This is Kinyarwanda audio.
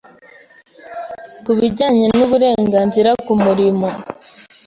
Ku bijyenye n’uburengenzire ku murimo,